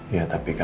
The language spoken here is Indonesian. ya tapi kan